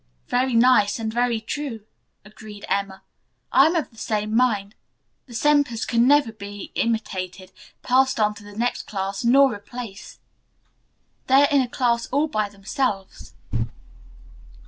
"Very nice and very true," agreed Emma. "I am of the same mind. The Sempers can never be imitated, passed on to the next class, nor replaced. They are in a class all by themselves."